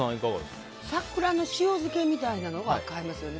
桜の塩漬けみたいなのは買いますよね。